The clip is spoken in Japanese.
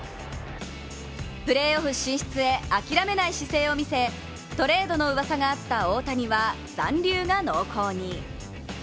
プレーオフ進出へ諦めない姿勢を見せトレードのうわさがあった大谷は残留が濃厚に。